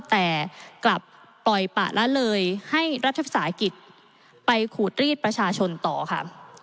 แต่กลับปล่อยปะละเลยให้รัฐภาษากิจไปขูดรีดประชาชนต่อค่ะ